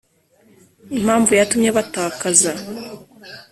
impamvu yatumye batakaza